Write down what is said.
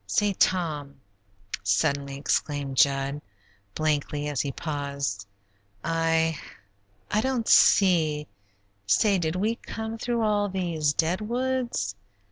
Say, Tom," suddenly exclaimed Jud, blankly, as he paused, "I I don't see Say, did we come through all these dead woods?"